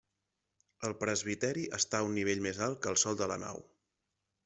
El presbiteri està a un nivell més alt que el sòl de la nau.